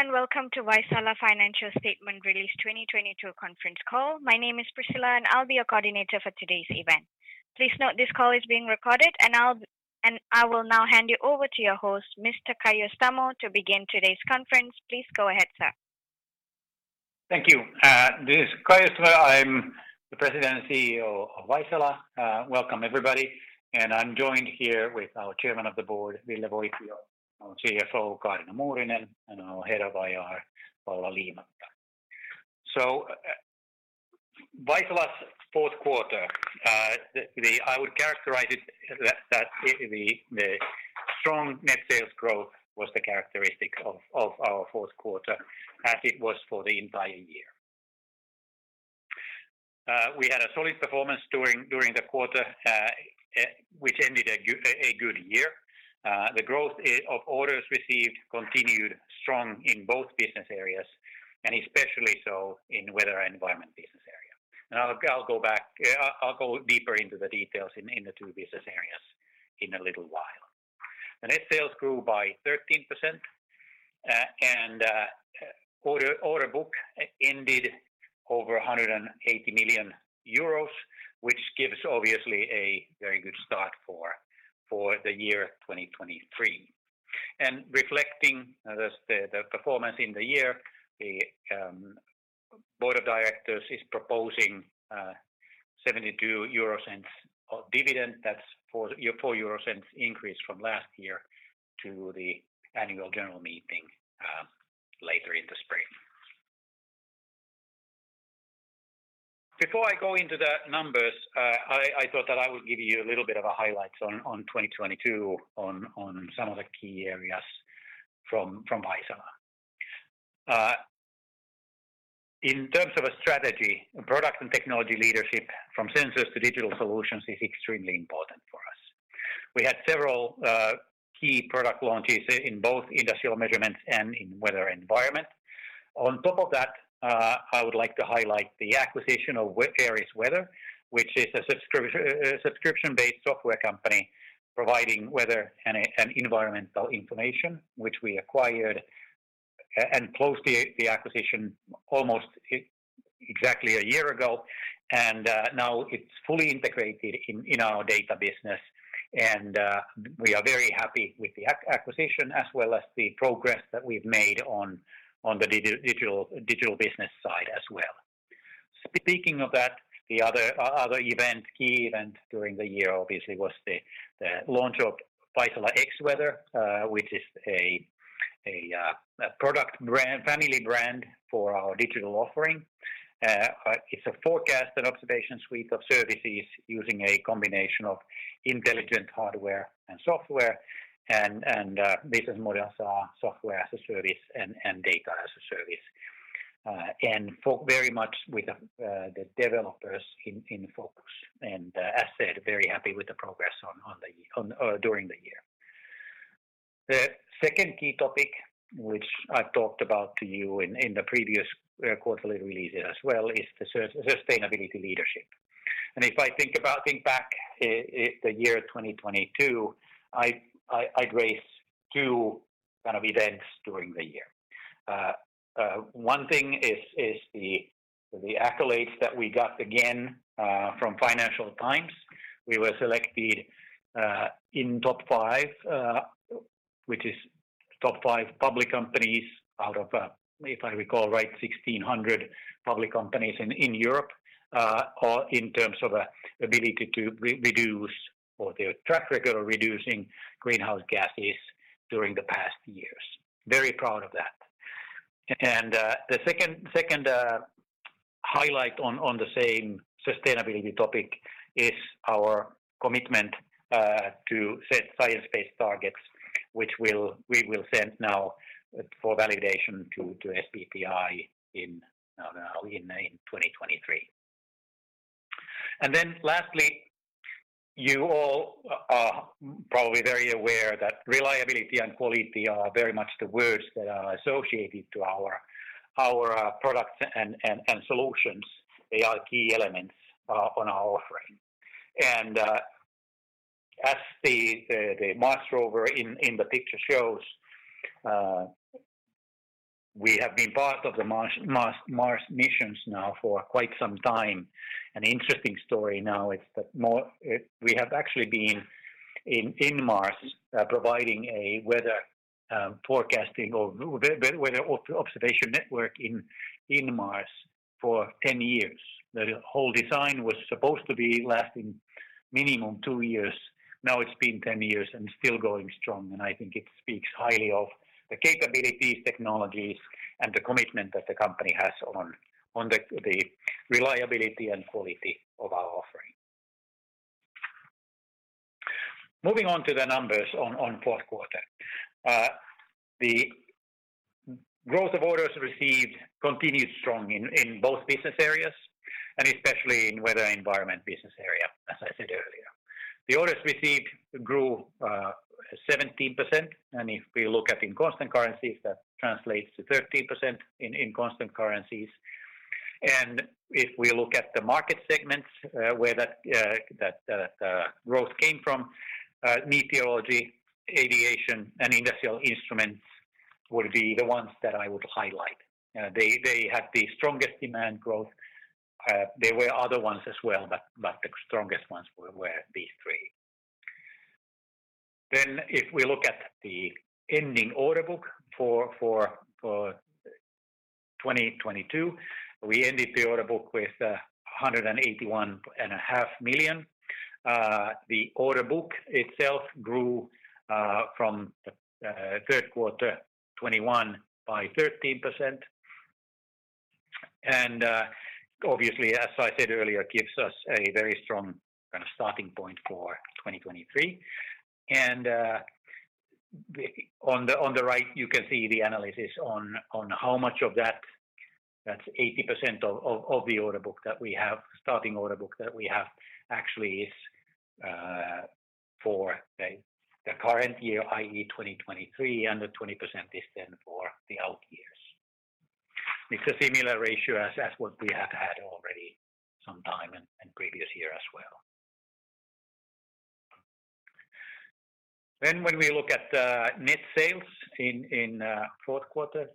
Hello and welcome to Vaisala Financial Statement Release 2022 conference call. My name is Priscilla, and I will now hand you over to your host, Mr. Kai Öistämö, to begin today's conference. Please note this call is being recorded and I will now hand you over to your host, Mr. Kai Öistämö, to begin today's conference. Please go ahead, sir. Thank you. This is Kai Öistämö, I'm the President and CEO of Vaisala. Welcome everybody, and I'm joined here with our Chairman of the Board, Ville Voipio, our CFO, Kaarina Muurinen, and our Head of IR, Paula Liimatta. Vaisala's fourth quarter, I would characterize it that the strong net sales growth was the characteristic of our fourth quarter as it was for the entire year. We had a solid performance during the quarter, which ended a good year. The growth of orders received continued strong in both business areas, and especially so in Weather and Environment business area. I'll go back. I'll go deeper into the details in the two business areas in a little while. The net sales grew by 13%, and order book ended over 180 million euros, which gives obviously a very good start for the year 2023. Reflecting the performance in the year, the board of directors is proposing 0.72 of dividend. That's 0.04 increase from last year to the Annual General Meeting later in the spring. Before I go into the numbers, I thought that I would give you a little bit of highlights on 2022 on some of the key areas from Vaisala. In terms of a strategy, product and technology leadership from sensors to digital solutions is extremely important for us. We had several key product launches in both Industrial Measurements and in Weather Environment. On top of that, I would like to highlight the acquisition of AerisWeather, which is a subscription-based software company providing weather and environmental information, which we acquired and closed the acquisition almost exactly a year ago. Now it's fully integrated in our data business, and we are very happy with the acquisition as well as the progress that we've made on the digital business side as well. Speaking of that, the other event, key event during the year obviously was the launch of Vaisala Xweather, which is a family brand for our digital offering. It's a forecast and observation suite of services using a combination of intelligent hardware and software and business models are Software as a service and Data as a Service, very much with the developers in focus. As said, very happy with the progress on during the year. The second key topic, which I've talked about to you in the previous quarterly releases as well, is the sustainability leadership. If I think back the year 2022, I'd raise two kind of events during the year. One thing is the accolades that we got again from Financial Times. We were selected in top five, which is top five public companies out of, if I recall right, 1,600 public companies in Europe, or in terms of ability to reduce or their track record of reducing greenhouse gases during the past years. Very proud of that. The second highlight on the same sustainability topic is our commitment to set science-based targets, which we will send now for validation to SBTi in 2023. Lastly, you all are probably very aware that reliability and quality are very much the words that are associated to our products and solutions. They are key elements on our offering. As the Mars rover in the picture shows, we have been part of the Mars missions now for quite some time. An interesting story now, it's that we have actually been in Mars providing a weather forecasting or weather observation network in Mars for 10 years. The whole design was supposed to be lasting minimum two years. Now it's been 10 years and still going strong, and I think it speaks highly of the capabilities, technologies, and the commitment that the company has on the reliability and quality of our offering. Moving on to the numbers on fourth quarter. The growth of orders received continued strong in both business areas, and especially in Weather and Environment business area, as I said earlier. The orders received grew 17%. If we look at in constant currencies, that translates to 13% in constant currencies. If we look at the market segments where that growth came from, meteorology, aviation, and industrial instruments would be the ones that I would highlight. They had the strongest demand growth. There were other ones as well, but the strongest ones were these three. If we look at the ending order book for 2022, we ended the order book with 181 and a 500,000. The order book itself grew from the third quarter 2021 by 13%. Obviously, as I said earlier, it gives us a very strong kind of starting point for 2023. On the right, you can see the analysis on how much of that's 80% of the starting order book that we have actually is for the current year, i.e. 2023, and the 20% is for the out years. It's a similar ratio as what we have had already some time in previous year as well. When we look at net sales in fourth quarter,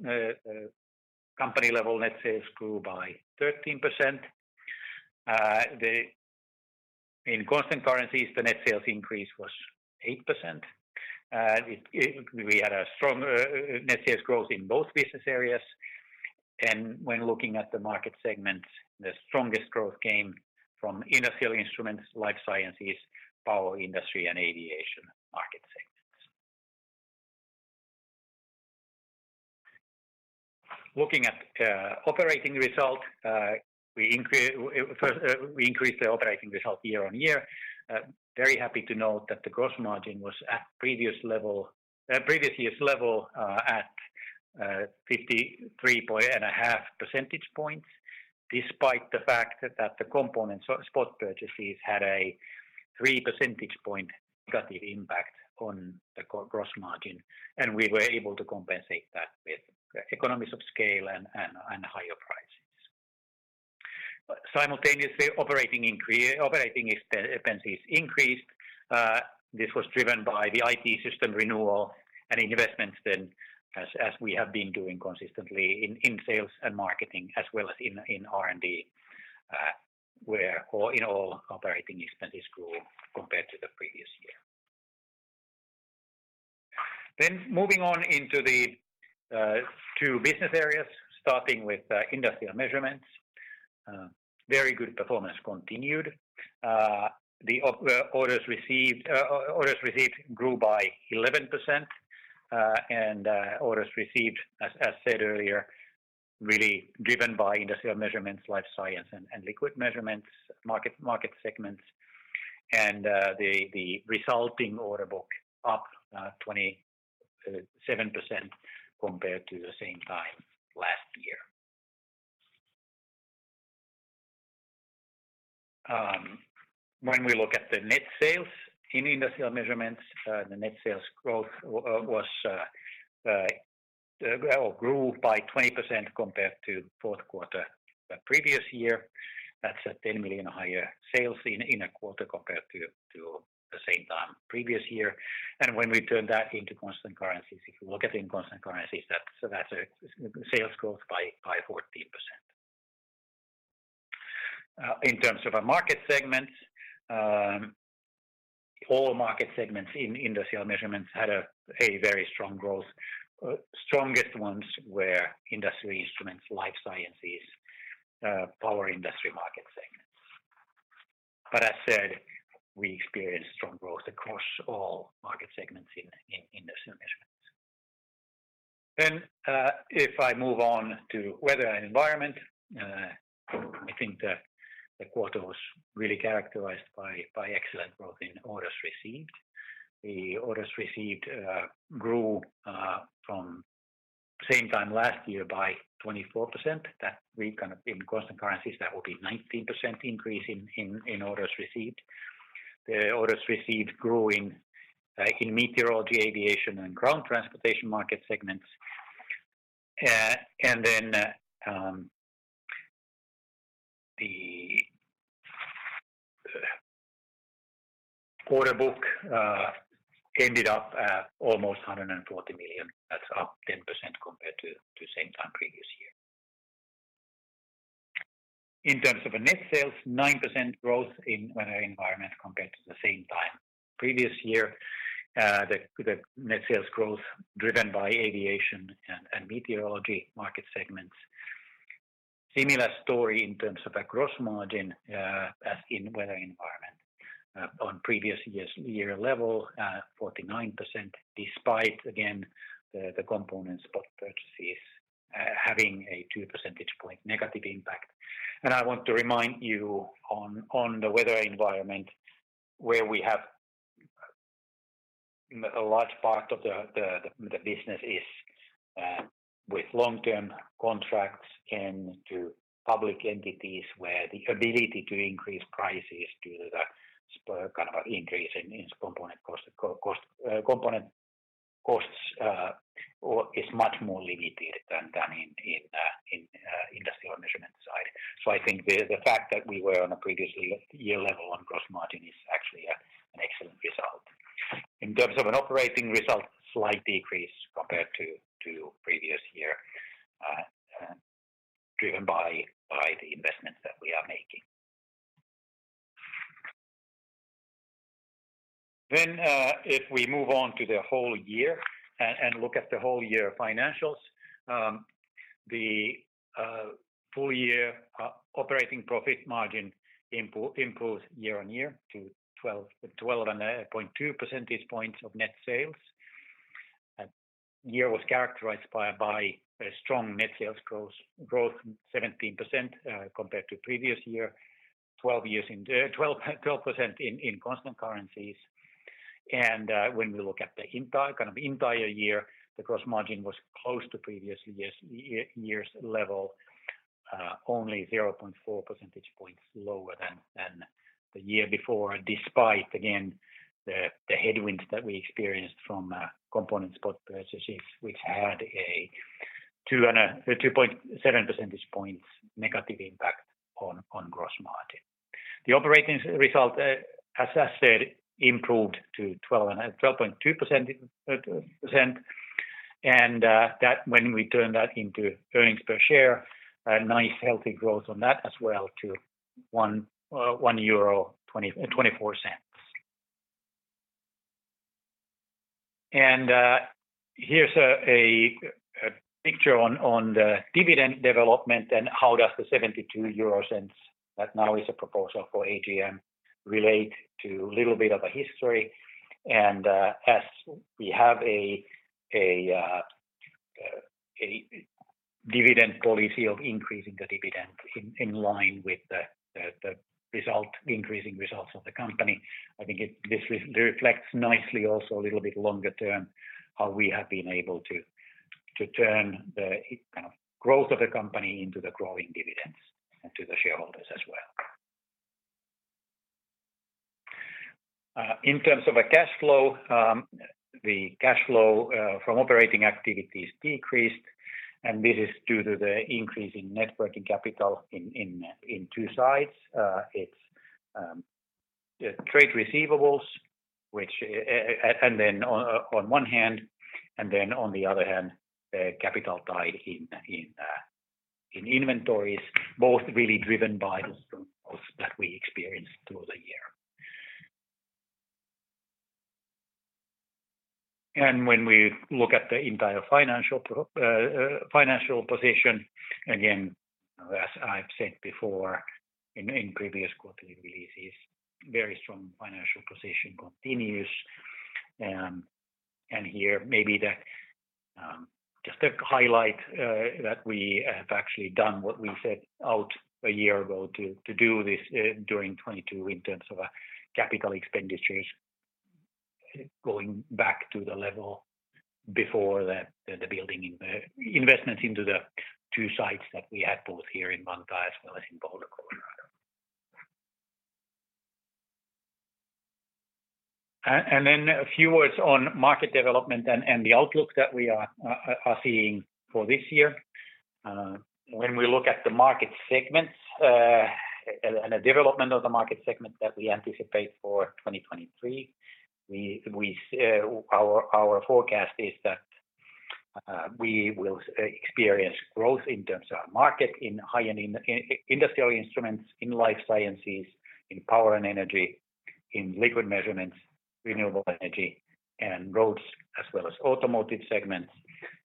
company-level net sales grew by 13%. In constant currencies, the net sales increase was 8%. We had a strong net sales growth in both business areas. When looking at the market segment, the strongest growth came from industrial instruments, life sciences, power industry, and aviation market segments. Looking at operating result, first, we increased the operating result year-over-year. Very happy to note that the gross margin was at previous year's level, at 53 and a 0.5 percentage points despite the fact that the component spot purchases had a 3 percentage point negative impact on the gross margin, and we were able to compensate that with economies of scale and higher prices. Simultaneously, operating expenses increased. This was driven by the IT system renewal and investments as we have been doing consistently in sales and marketing as well as in R&D, where in all operating expenses grew compared to the previous year. Moving on into the two business areas, starting with Industrial Measurements. Very good performance continued. The orders received grew by 11%. Orders received, as said earlier, really driven by Industrial Measurements, Life Science, and Liquid Measurements market segments. The resulting order book up 27% compared to the same time last year. When we look at the net sales in Industrial Measurements, the net sales growth grew by 20% compared to fourth quarter the previous year. That's a 10 million higher sales in a quarter compared to the same time previous year. When we turn that into constant currencies, if you look at in constant currencies, that's a sales growth by 14%. In terms of our market segments, all market segments in Industrial Measurements had a very strong growth. Strongest ones were Industrial Instruments, Life Sciences, power industry market segments. As said, we experienced strong growth across all market segments in Industrial Measurements. If I move on to Weather and Environment, I think the quarter was really characterized by excellent growth in orders received. The orders received grew from same time last year by 24%. In constant currencies, that would be 19% increase in orders received. The orders received growing in meteorology, aviation, and ground transportation market segments. The order book ended up at almost 140 million. That's up 10% compared to same time previous year. In terms of a net sales, 9% growth in Weather and Environment compared to the same time previous year. The net sales growth driven by aviation and meteorology market segments. Similar story in terms of a gross margin as in Weather and Environment. On previous year's year level, 49% despite again the component spot purchases having a 2 percentage point negative impact. I want to remind you on the Weather and Environment where we have a large part of the business is with long-term contracts and to public entities where the ability to increase prices due to the spur kind of increase in component costs, or is much more limited than in Industrial Measurement side. I think the fact that we were on a previous year level on gross margin is actually an excellent result. In terms of an operating result, slight decrease compared to previous year, driven by the investments that we are making. If we move on to the whole year and look at the whole year financials, the full year operating profit margin improved year on year to 12.2 percentage points of net sales. Year was characterized by a strong net sales growth, 17% compared to previous year, 12% in constant currencies. When we look at the entire, kind of entire year, the gross margin was close to previous year's level, only 0.4 percentage points lower than the year before, despite again the headwinds that we experienced from component spot purchases, which had a 2.7 percentage points negative impact on gross margin. The operating result, as I said, improved to 12.2%. When we turn that into earnings per share, a nice healthy growth on that as well to 1.24 euro. Here's a picture on the dividend development and how does the 0.72 that now is a proposal for AGM relate to a little bit of a history. As we have a dividend policy of increasing the dividend in line with the result, increasing results of the company, I think this reflects nicely also a little bit longer term, how we have been able to turn the kind of growth of the company into the growing dividends and to the shareholders as well. In terms of a cash flow, the cash flow from operating activities decreased, and this is due to the increase in net working capital in two sides. It's trade receivables, which and then on one hand, and then on the other hand, the capital tied in inventories, both really driven by the strong growth that we experienced through the year. When we look at the entire financial position, again, as I've said before in previous quarterly releases, very strong financial position continues. Here maybe the just to highlight that we have actually done what we set out a year ago to do this during 2022 in terms of capital expenditures going back to the level before the investments into the two sites that we had both here in Vantaa as well as in Boulder, Colorado. A few words on market development and the outlook that we are seeing for this year. When we look at the market segments, and the development of the market segments that we anticipate for 2023, our forecast is that we will experience growth in terms of our market in high-ending industrial instruments, in life sciences, in power and energy, in liquid measurements, renewable energy, and roads, as well as automotive segments,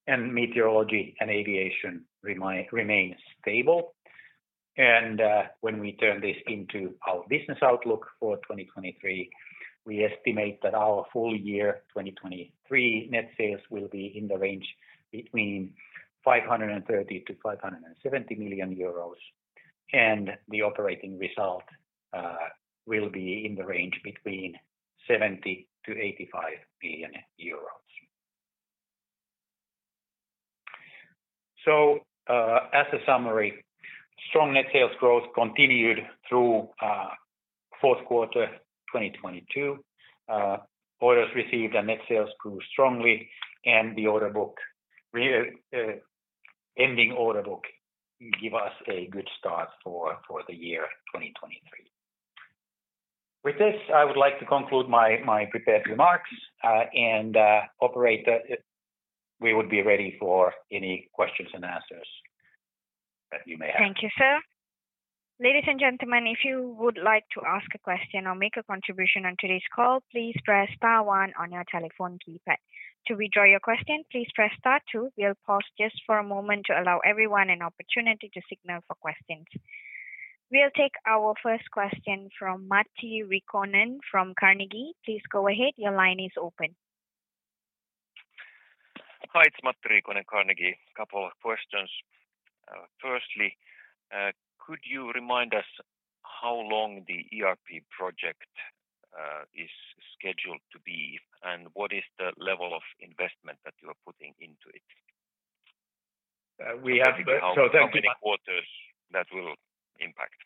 and meteorology and aviation remain stable. When we turn this into our business outlook for 2023, we estimate that our full year 2023 net sales will be in the range between 530 million and 570 million euros, and the operating result will be in the range between 70 million and 85 million euros. As a summary, strong net sales growth continued through fourth quarter 2022. Orders received and net sales grew strongly, the ending order book give us a good start for the year 2023. With this, I would like to conclude my prepared remarks. Operator, we would be ready for any questions and answers that you may have. Thank you, sir. Ladies and gentlemen, if you would like to ask a question or make a contribution on today's call, please press star one on your telephone keypad. To withdraw your question, please press star two. We'll pause just for a moment to allow everyone an opportunity to signal for questions. We'll take our first question from Matti Riikonen from Carnegie. Please go ahead. Your line is open. Hi, it's Matti Riikonen, Carnegie. Couple of questions. Firstly, could you remind us how long the ERP project is scheduled to be, and what is the level of investment that you are putting into it? Uh, we have- Basically how many quarters that will impact?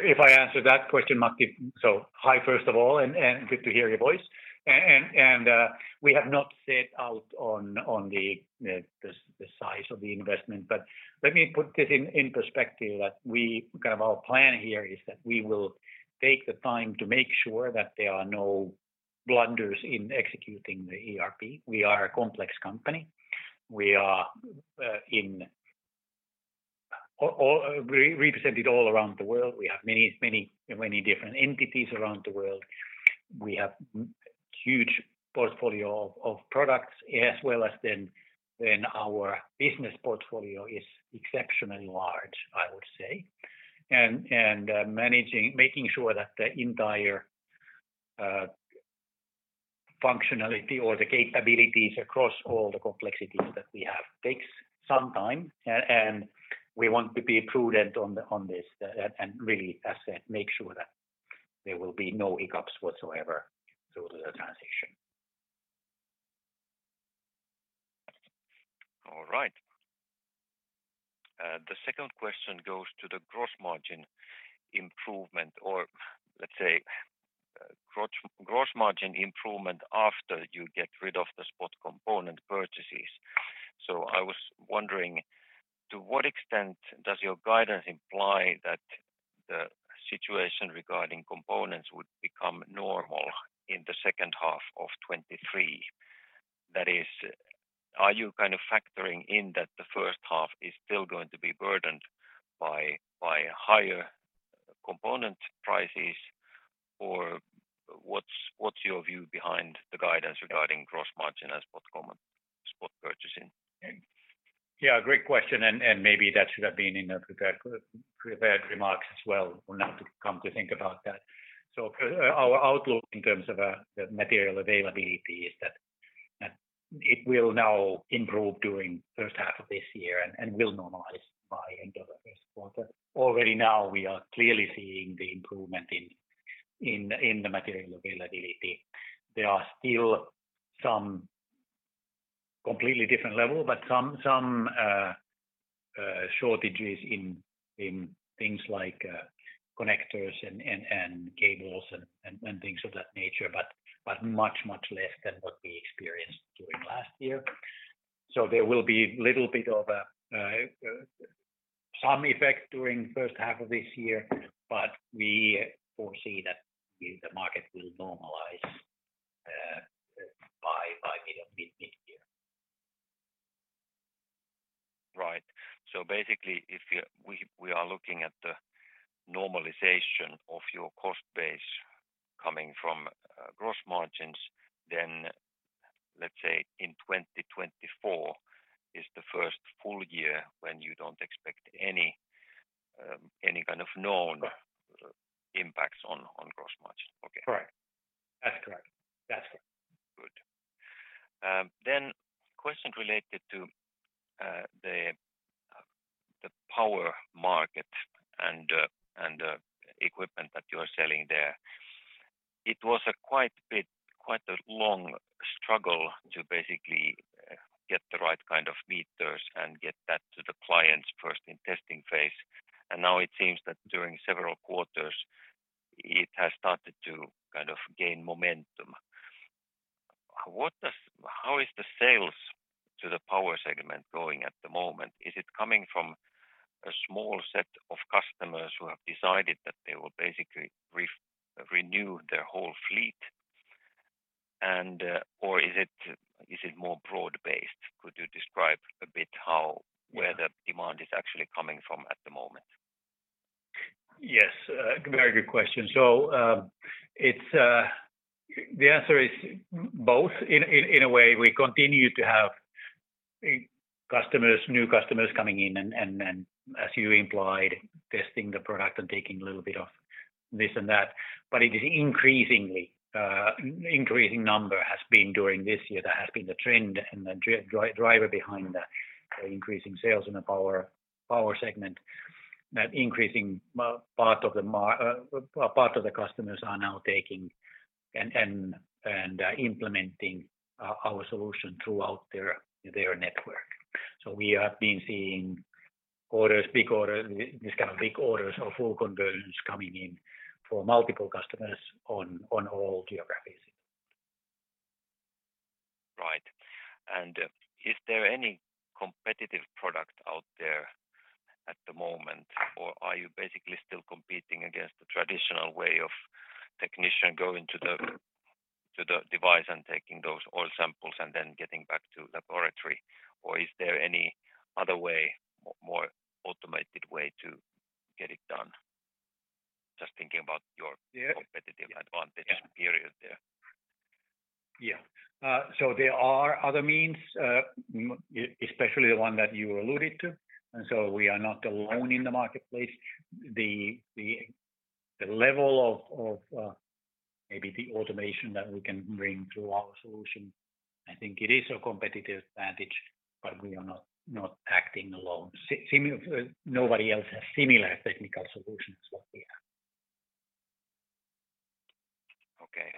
If I answer that question, Matti. Hi, first of all, and good to hear your voice. We have not set out on the size of the investment. Let me put this in perspective that we kind of our plan here is that we will take the time to make sure that there are no blunders in executing the ERP. We are a complex company. We are re-represented all around the world. We have many different entities around the world. We have huge portfolio of products, as well as then our business portfolio is exceptionally large, I would say. Managing making sure that the entire functionality or the capabilities across all the complexities that we have takes some time. We want to be prudent on this and really, as said, make sure that there will be no hiccups whatsoever through the transition. All right. The second question goes to the gross margin improvement or let's say, gross margin improvement after you get rid of the spot component purchases. I was wondering, to what extent does your guidance imply that the situation regarding components would become normal in the second half of 2023? That is, are you kind of factoring in that the first half is still going to be burdened by higher component prices? What's your view behind the guidance regarding gross margin as spot purchasing? Great question, and maybe that should have been in the prepared remarks as well now to come to think about that. Our outlook in terms of the material availability is that it will now improve during first half of this year and will normalize by end of the first quarter. Already now we are clearly seeing the improvement in the material availability. There are still some completely different level, but some shortages in things like connectors and cables and things of that nature, but much less than what we experienced during last year. There will be little bit of a some effect during first half of this year, but we foresee that the market will normalize by middle midyear. Right. basically, we are looking at the normalization of your cost base coming from, gross margins, let's say in 2024 is the first full year when you don't expect any kind of known- Right impacts on gross margin. Okay. Correct. That's correct. That's correct. Good. Question related to the power market and equipment that you are selling there. It was a quite a long struggle to basically get the right kind of meters and get that to the clients first in testing phase. Now it seems that during several quarters it has started to kind of gain momentum. How is the sales to the power segment going at the moment? Is it coming from a small set of customers who have decided that they will basically re-renew their whole fleet and, or is it more broad-based? Could you describe a bit how? Yeah where the demand is actually coming from at the moment? Yes. very good question. it's the answer is both in a way. We continue to have customers, new customers coming in and as you implied, testing the product and taking a little bit of this and that. It is increasingly, increasing number has been during this year. That has been the trend and the driver behind the increasing sales in the power segment, that increasing part of the customers are now taking and implementing our solution throughout their network. We have been seeing orders, this kind of big orders of full conversions coming in for multiple customers on all geographies. Right. Is there any competitive product out there at the moment? Are you basically still competing against the traditional way of technician going to the device and taking those oil samples and then getting back to laboratory? Is there any other way, more automated way to get it done? Just thinking about your… Yeah competitive advantage period there. Yeah. There are other means, especially the one that you alluded to. We are not alone in the marketplace. The level of, maybe the automation that we can bring through our solution, I think it is a competitive advantage, but we are not acting alone. Nobody else has similar technical solutions what we have. Okay.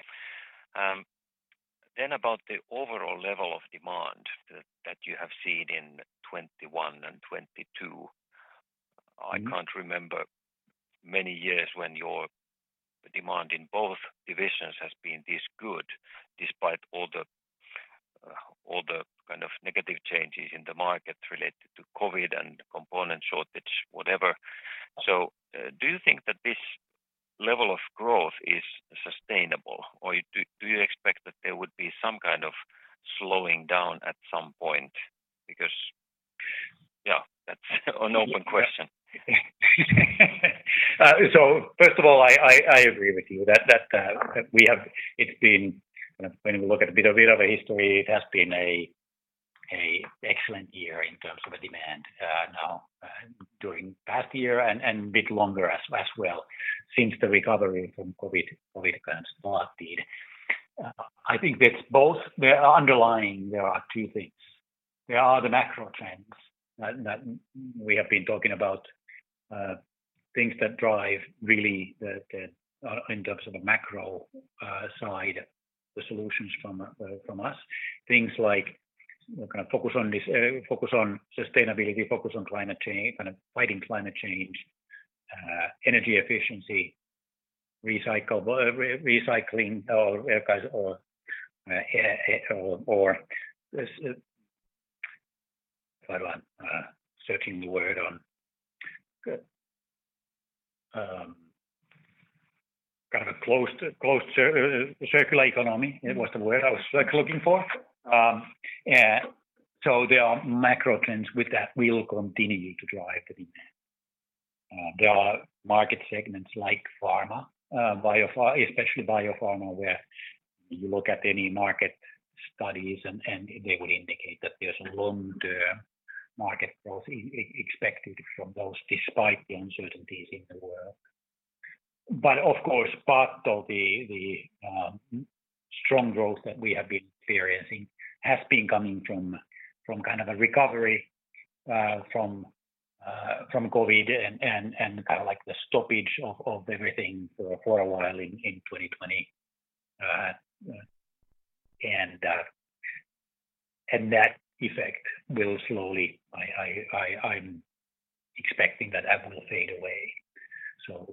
about the overall level of demand that you have seen in 2021 and 2022. Mm-hmm. I can't remember many years when your demand in both divisions has been this good despite all the, all the kind of negative changes in the market related to COVID and component shortage, whatever. Do you think that this level of growth is sustainable, or do you expect that there would be some kind of slowing down at some point? Yeah, that's an open question. First of all, I agree with you that, when we look at a bit of a history, it has been a excellent year in terms of a demand, now, during past year and a bit longer as well since the recovery from COVID kind of started. I think that there are two things. There are the macro trends that we have been talking about, things that drive really the, in terms of the macro side, the solutions from us. Things like we're gonna focus on this, focus on sustainability, focus on climate change, kind of fighting climate change, energy efficiency, recycling or searching the word on, kind of a closed circular economy. It was the word I was looking for. There are macro trends with that will continue to drive the demand. There are market segments like pharma, especially biopharma, where you look at any market studies and they would indicate that there's a long-term market growth expected from those despite the uncertainties in the world. Of course, part of the strong growth that we have been experiencing has been coming from kind of a recovery from COVID and kind of like the stoppage of everything for a while in 2020. That effect will slowly... I'm expecting that will fade away.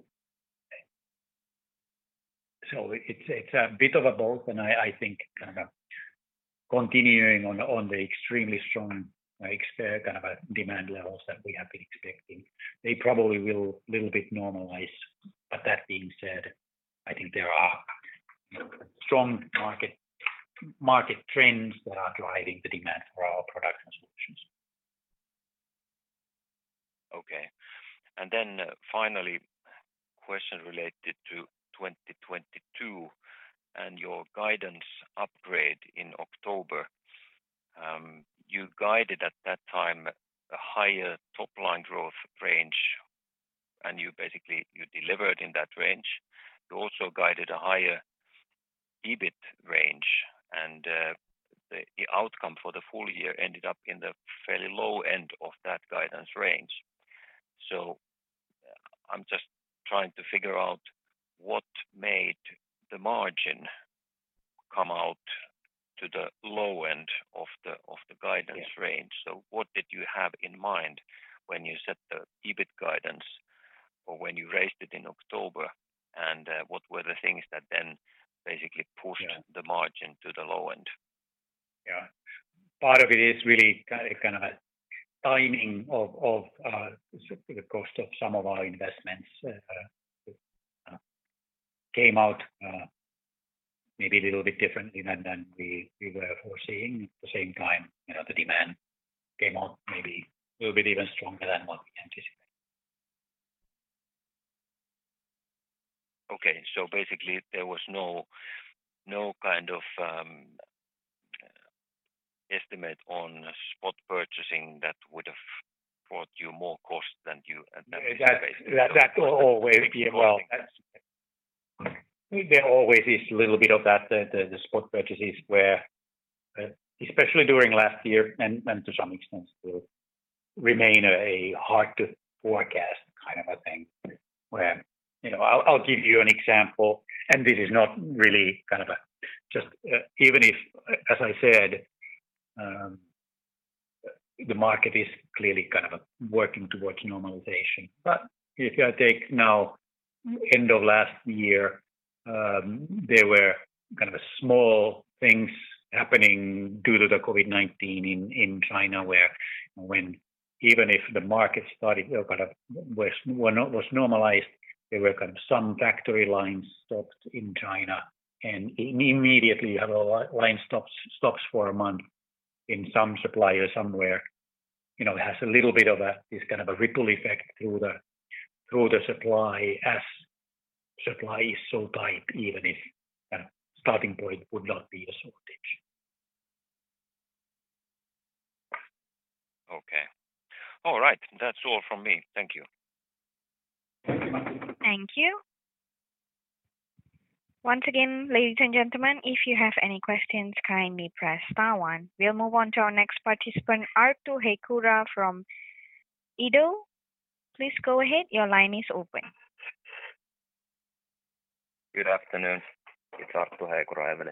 It's a bit of a both, and I think kind of continuing on the extremely strong, like, kind of a demand levels that we have been expecting, they probably will little bit normalize. That being said, I think there are strong market trends that are driving the demand for our products and solutions. Finally, question related to 2022 and your guidance upgrade in October. You guided at that time a higher top-line growth range, and you basically delivered in that range. You also guided a higher EBIT range, and the outcome for the full year ended up in the fairly low end of that guidance range. I'm just trying to figure out what made the margin come out to the low end of the, of the guidance range. What did you have in mind when you set the EBIT guidance or when you raised it in October? What were the things that then basically pushed- Yeah. the margin to the low end? Yeah. Part of it is really kind of a timing of the cost of some of our investments came out maybe a little bit differently than we were foreseeing. At the same time, you know, the demand came out maybe a little bit even stronger than what we anticipated. Okay. Basically, there was no kind of estimate on spot purchasing that would have brought you more cost than you had anticipated. That will always be. Well, there always is a little bit of that, the spot purchases where, especially during last year and, to some extent, still remain a hard to forecast kind of a thing. You know, I'll give you an example, and this is not really just, even if, as I said, the market is clearly kind of working towards normalization. If you take now end of last year, there were kind of small things happening due to the COVID-19 in China where even if the market started or was normalized, there were kind of some factory lines stopped in China. Immediately you have a line stops for a month in some supplier somewhere, you know, has a little bit of a, this kind of a ripple effect through the supply as supply is so tight, even if a starting point would not be a shortage. Okay. All right. That's all from me. Thank you. Thank you. Thank you. Once again, ladies and gentlemen, if you have any questions, kindly press star one. We'll move on to our next participant, Arttu Heikura from Evli, please go ahead. Your line is open. Good afternoon. It's Arttu Heikura, Evli.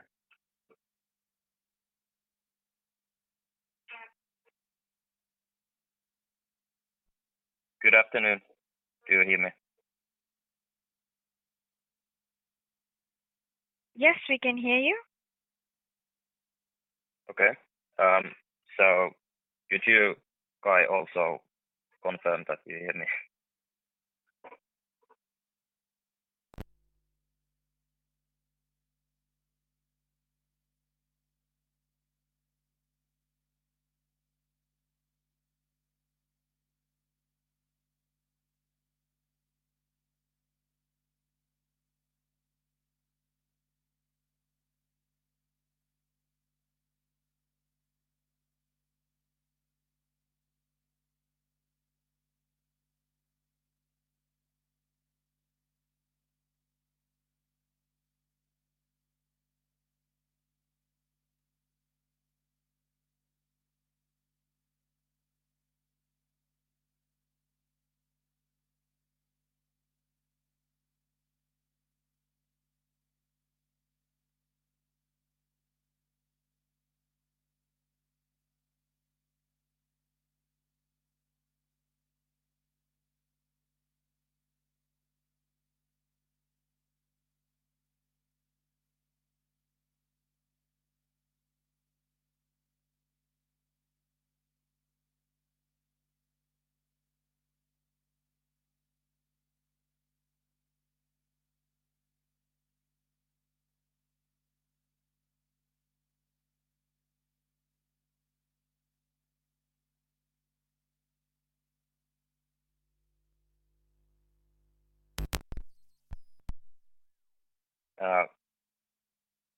Good afternoon. Do you hear me? Yes, we can hear you. Okay. could you, Kai, also confirm that you hear me?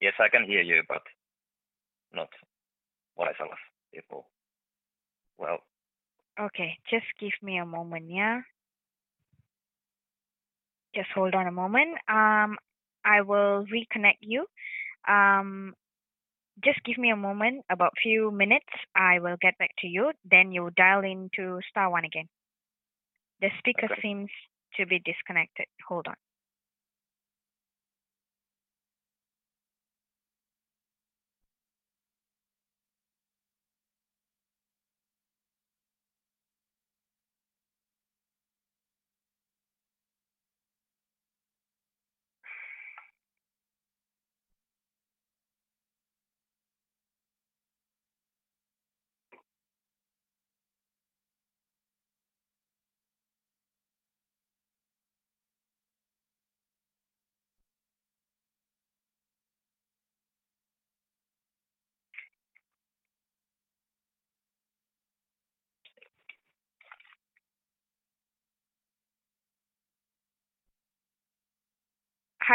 Yes, I can hear you, but not wise enough people. Okay. Just give me a moment, yeah? Just hold on a moment. I will reconnect you. Just give me a moment, about few minutes, I will get back to you. You dial into star one again. Okay. The speaker seems to be disconnected. Hold on.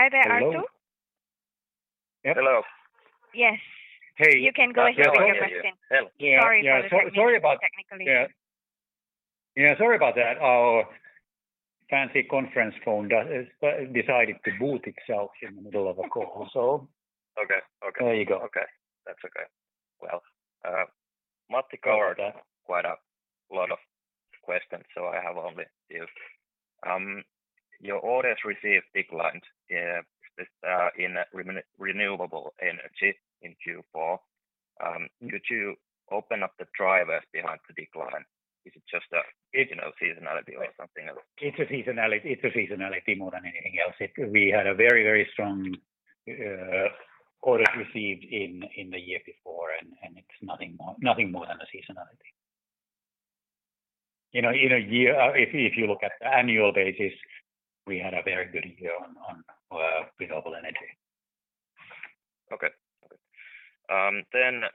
Hi there, Arttu. Hello. Yes. Hey. You can go ahead with your question. Can you hear me? Sorry for the. Yeah. Sorry about... Technical difficulty. Yeah. Yeah, sorry about that. Our fancy conference phone does decided to boot itself in the middle of a call, so. Okay. Okay. There you go. Okay. That's okay. Matti covered quite a lot of questions. I have only a few. Your orders received declined this in renewable energy in Q4. Could you open up the drivers behind the decline? Is it just a, you know, seasonality or something else? It's a seasonality more than anything else. We had a very, very strong orders received in the year before, and it's nothing more than a seasonality. You know, if you look at the annual basis, we had a very good year on renewable energy. Okay. Okay.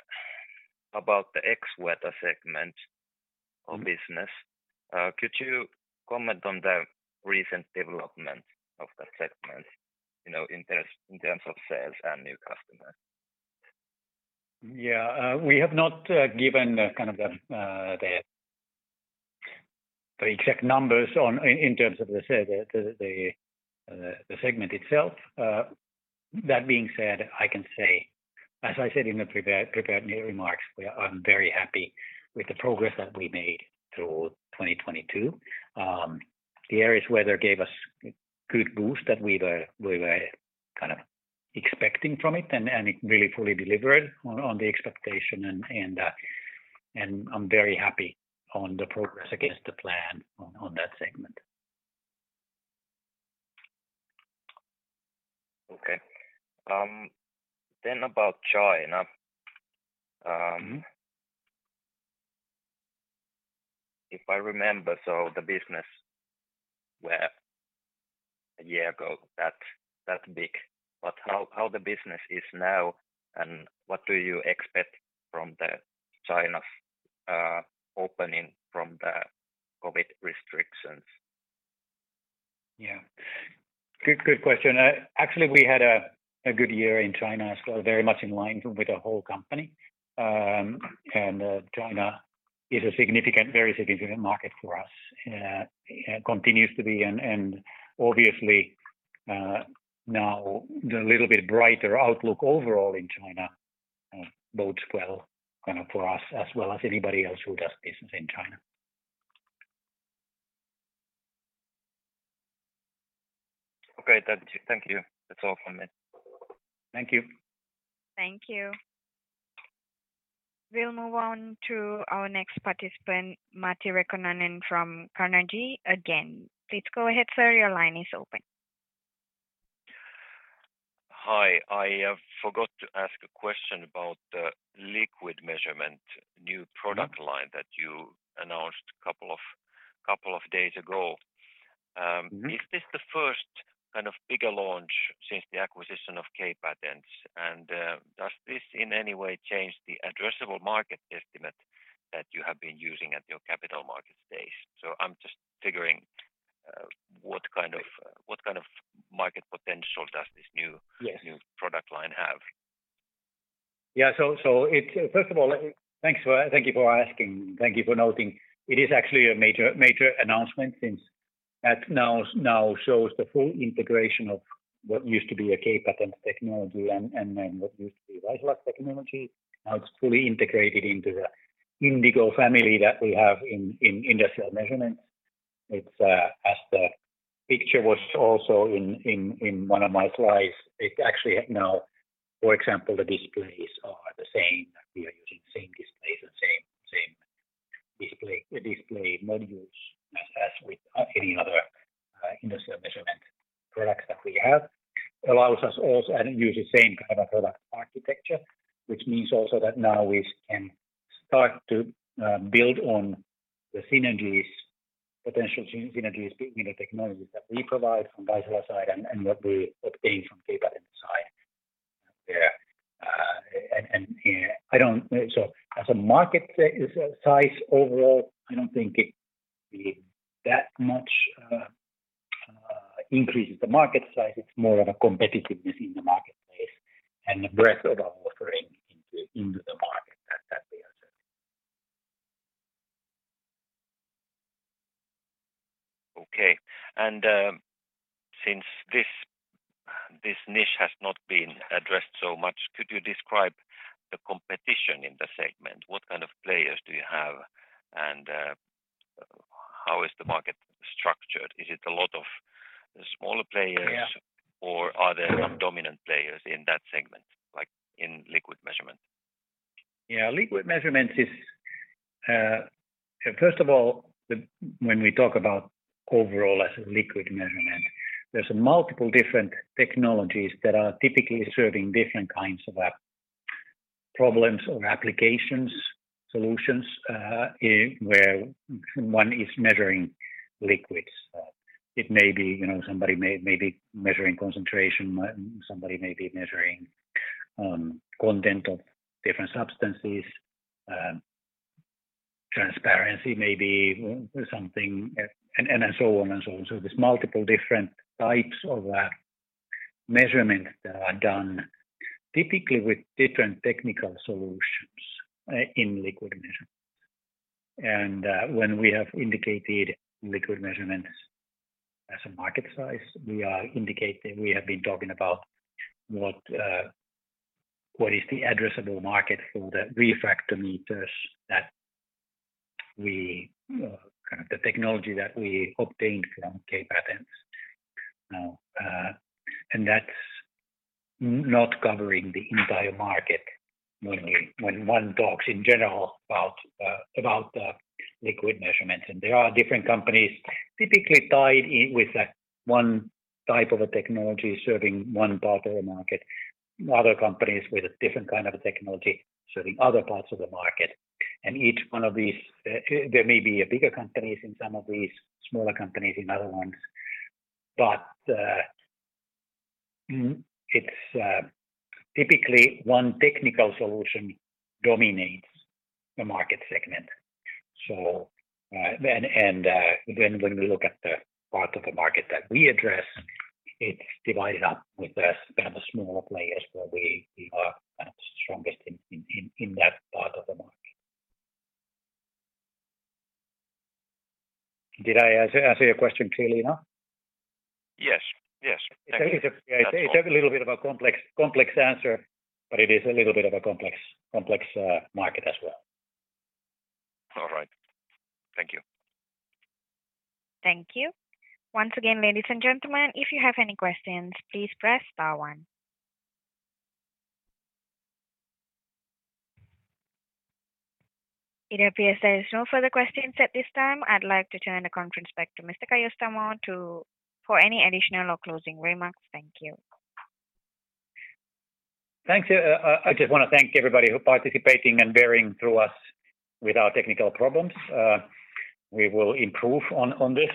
about the Xweather segment- Mm. -of business, could you comment on the recent development of that segment, you know, in terms of sales and new customers? Yeah. We have not given kind of the exact numbers on, in terms of the segment itself. That being said, I can say, as I said in the prepared remarks, I'm very happy with the progress that we made through 2022. AerisWeather gave us a good boost that we were kind of expecting from it, and it really fully delivered on the expectation and I'm very happy on the progress against the plan on that segment. About China. If I remember, so the business were a year ago that big, but how the business is now, and what do you expect from the China's opening from the COVID restrictions? Yeah. Good, good question. Actually, we had a good year in China, so very much in line with the whole company. China is a significant, very significant market for us. It continues to be and obviously, now the little bit brighter outlook overall in China bodes well, kind of, for us as well as anybody else who does business in China. Okay. Thank you. That's all from me. Thank you. Thank you. We'll move on to our next participant, Matti Riikonen from Carnegie, again. Please go ahead, sir. Your line is open. Hi. I forgot to ask a question about the liquid measurement new product line that you announced a couple of days ago. Is this the first kind of bigger launch since the acquisition of K-Patents? Does this in any way change the addressable market estimate that you have been using at your capital market stage? I'm just figuring what kind of market potential does this. Yes. new product line have? First of all, thank you for asking. Thank you for noting. It is actually a major announcement since that now shows the full integration of what used to be a K-Patents technology and what used to be Vaisala technology. Now it's fully integrated into the Indigo family that we have in Industrial Measurements. It's, as the picture was also in one of my slides, it actually now. For example, the displays are the same. We are using same displays and same display modules as with any other Industrial Measurements products that we have. Allows us also, and use the same kind of product architecture, which means also that now we can start to build on the synergies, potential synergies between the technologies that we provide from Vaisala side and what we obtain from K-Patents side. As a market size overall, I don't think it will be that much increase the market size. It's more of a competitiveness in the marketplace and the breadth of our offering into the market that we are serving. Okay. Since this niche has not been addressed so much, could you describe the competition in the segment? What kind of players do you have and, how is the market structured? Is it a lot of smaller players? Yeah. Are there some dominant players in that segment, like in liquid measurement? Yeah. Liquid measurements is. First of all, when we talk about overall as a liquid measurement, there's multiple different technologies that are typically serving different kinds of problems or applications, solutions, where one is measuring liquids. It may be, you know, somebody may be measuring concentration, somebody may be measuring content of different substances, transparency maybe or something, and so on and so on. There's multiple different types of measurements that are done typically with different technical solutions in liquid measurements. When we have indicated liquid measurements as a market size, we have been talking about what is the addressable market for the refractometers that we kind of the technology that we obtained from K-Patents now. That's not covering the entire market when one talks in general about liquid measurements. There are different companies typically tied in with, like, one type of a technology serving one part of the market, other companies with a different kind of technology serving other parts of the market. Each one of these, there may be bigger companies in some of these, smaller companies in other ones, but it's. Typically, one technical solution dominates a market segment. When we look at the part of the market that we address, it's divided up with the kind of smaller players where we are kind of strongest in that part of the market. Did I answer your question clearly now? Yes. Yes. Thank you. That's all. It's a little bit of a complex answer, but it is a little bit of a complex market as well. All right. Thank you. Thank you. Once again, ladies and gentlemen, if you have any questions, please press star one. It appears there is no further questions at this time. I'd like to turn the conference back to Mr. Kai Öistämö for any additional or closing remarks. Thank you. Thanks. I just wanna thank everybody who participating and bearing through us with our technical problems. We will improve on this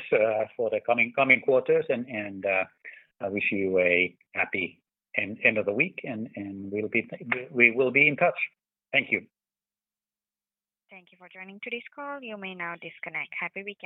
for the coming quarters. I wish you a happy end of the week, and we'll be we will be in touch. Thank you. Thank you for joining today's call. You may now disconnect. Happy weekend.